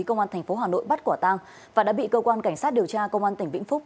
công an tp hà nội bắt quả tang và đã bị cơ quan cảnh sát điều tra công an tỉnh vĩnh phúc